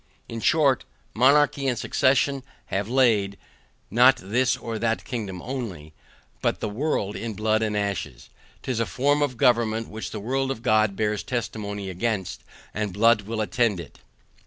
In short, monarchy and succession have laid (not this or that kingdom only) but the world in blood and ashes. 'Tis a form of government which the word of God bears testimony against, and blood will attend it.